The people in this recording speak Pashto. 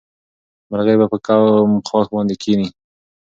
مرغۍ به په کوم ښاخ باندې کېني؟